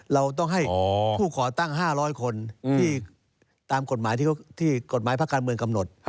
เราต้องให้ผู้ก่อตั้ง๕๐๐คนที่ตามกฎหมายที่กฎหมายภาคการเมืองกำหนด